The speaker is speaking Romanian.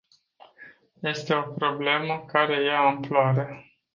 Este o problemă care ia amploare.